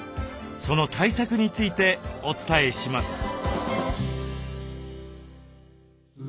その対策についてお伝えします。